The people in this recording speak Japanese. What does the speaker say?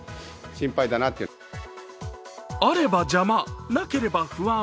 あれば邪魔、なければ不安。